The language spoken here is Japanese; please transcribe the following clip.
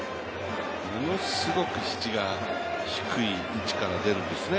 ものすごく低い位置から出るんですね。